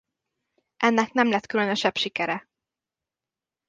Ennek nem lett különösebb sikere.